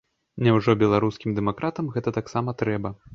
Няўжо беларускім дэмакратам гэта таксама трэба?